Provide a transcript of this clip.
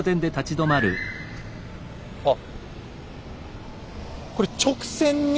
あっ。